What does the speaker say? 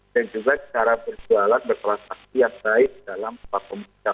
dan juga secara perjualan berterasa setiap baik dalam platform digital